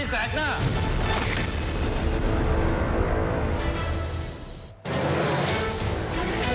ชูวิทย์ตีแสงหน้า